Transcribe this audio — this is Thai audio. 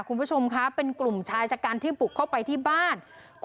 คือเป็นผู้ชายที่ปุกเข้าไปที่บ้าน